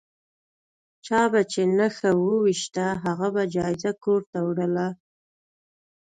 چا به چې نښه وویشته هغه به جایزه کور ته وړله.